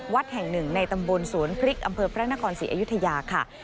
วัดแห่งหนึ่งในตำบลสวนพริกอำเภอพระนครศรีอยุธยาค่ะ